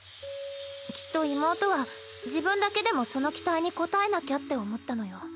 きっと妹は自分だけでもその期待に応えなきゃって思ったのよ。